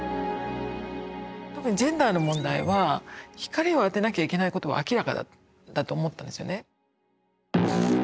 特にジェンダーの問題は光を当てなきゃいけないことは明らかだと思ったんですよね。